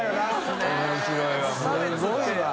すごいわ。